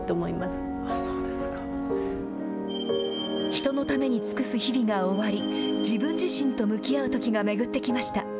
人のために尽くす日々が終わり、自分自身と向き合うときが巡ってきました。